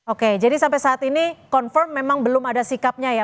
oke jadi sampai saat ini confirm memang belum ada sikapnya ya